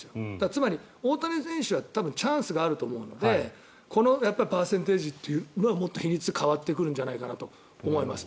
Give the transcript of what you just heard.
つまり、大谷選手は多分、チャンスがあると思うのでこのパーセンテージはもっと比率が変わってくると思います。